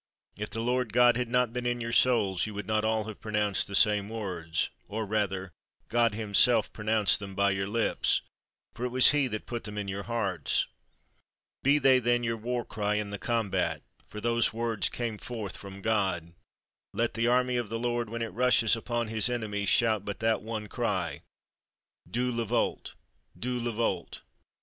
If the Lord God had not been in your souls, you would not all have pronounced the same words; or rather God himself pronounced them by your lips, for it was he that put them in your hearts. Be they, then, your war cry in the combat, for those words came forth from God. Let the army of the Lord, when it rushes upon his enemies, shout but that one cry, '_Dieu le veult! Dieu le veult!